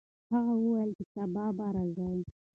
هغه وویل چې دی به سبا راځي.